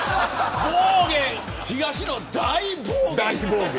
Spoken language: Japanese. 暴言、東野大暴言。